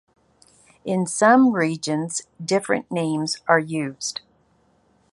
In some regions different names are used.